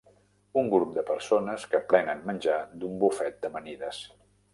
Un grup de persones que prenen menjar d'un bufet d'amanides.